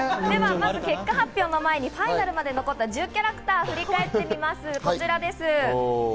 ではまず結果発表の前に、ファイナルに残った１０キャラクターを見ていきます。